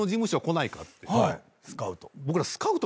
スカウト。